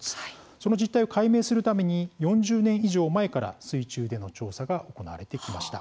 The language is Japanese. その実態を解明するために４０年以上前から水中での調査が行われてきました。